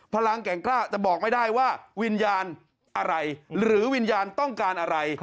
พลังแก่งกล้าจะบอกไม่ได้ว่าวิญญาณอะไรหรือวิญญาณต้องการอะไร